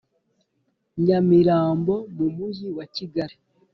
Nyamirambo mu Mujyi wa Kigali